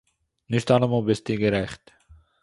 נישט אלעמאל ביסטו גערעכט